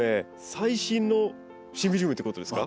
最新のシンビジウムってことですか？